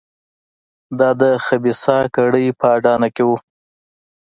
دا د خبیثه کړۍ په اډانه کې وو.